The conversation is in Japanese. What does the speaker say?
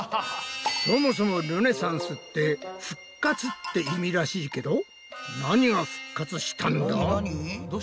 そもそもルネサンスって「復活」って意味らしいけど何が復活したんだ？